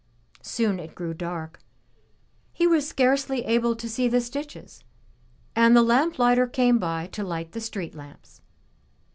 Soon it grew dark; he was scarcely able to see the stitches, and the lamp lighter came by to light the street lamps.